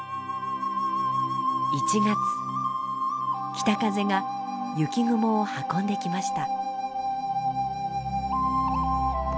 北風が雪雲を運んできました。